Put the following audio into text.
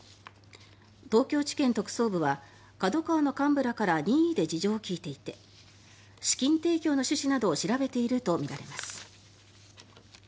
東京地検特捜部はＫＡＤＯＫＡＷＡの幹部らから任意で事情を聴いていて資金提供の趣旨などを調べているとみられます。